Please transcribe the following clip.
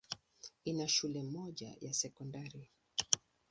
Ina shule moja ya sekondari.